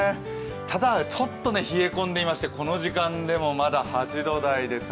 ただちょっと冷え込んでいましてまだこの時間でも８度台です。